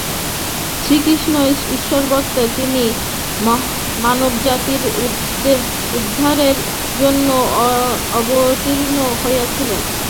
শ্রীকৃষ্ণ ঈশ্বরাবতার, তিনি মানবজাতির উদ্ধারের জন্য অবতীর্ণ হইয়াছিলেন।